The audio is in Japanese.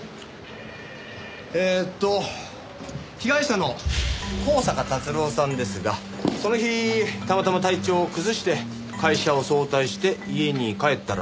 えっと被害者の香坂達郎さんですがその日たまたま体調を崩して会社を早退して家に帰ったら。